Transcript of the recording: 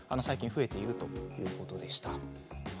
最近増えているということでした。